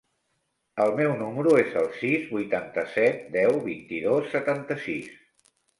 El meu número es el sis, vuitanta-set, deu, vint-i-dos, setanta-sis.